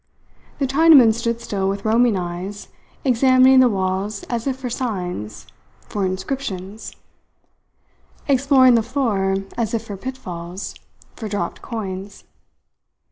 The Chinaman stood still with roaming eyes, examining the walls as if for signs, for inscriptions; exploring the floor as if for pitfalls, for dropped coins.